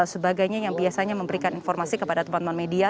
sebagainya yang biasanya memberikan informasi kepada teman teman media